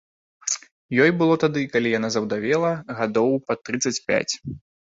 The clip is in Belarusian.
Ёй было тады, калі яна заўдавела, гадоў пад трыццаць пяць.